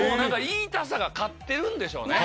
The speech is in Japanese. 言いたさが勝ってるんでしょうね。